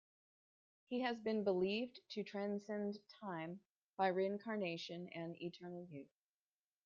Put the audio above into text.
He has been believed to transcend time by reincarnation and eternal youth.